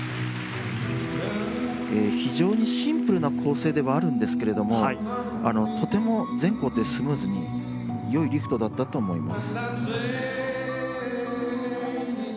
非常にシンプルな構成ではあるんですけれどもとても前後でスムーズに良いリフトだったと思います。